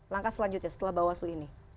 langkah selanjutnya setelah bawah hasil ini